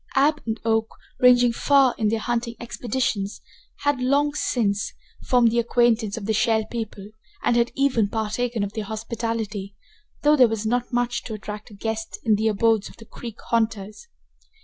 Ab and Oak, ranging far in their hunting expeditions, had, long since, formed the acquaintance of the Shell People, and had even partaken of their hospitality, though there was not much to attract a guest in the abodes of the creek haunters.